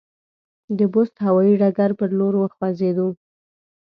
د بُست هوایي ډګر پر لور وخوځېدو.